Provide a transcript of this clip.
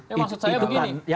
maksud saya begini